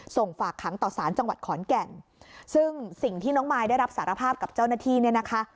ส่งฝากขังต่อสารจังหวัดขอนแก่นซึ่งสิ่งที่น้องมายได้รับสารภาพกับเจ้าหน้าที่เนี่ยนะคะ